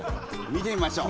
見てみましょう！